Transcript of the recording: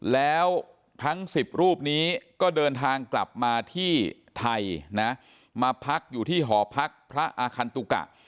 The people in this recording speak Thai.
แล้วทั้ง๑๐รูปนี้ก็เดินทางกลับมาที่ไทยนะมาพักอยู่ที่หอพักพระอาคันตุกะ